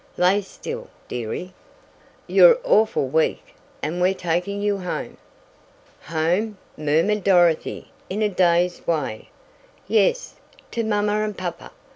"Lay still, dearie. You're awful weak and we're taking you home." "Home!" murmured Dorothy in a dazed way. "Yes, to mommer and popper!"